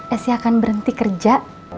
esyakan berhenti kerja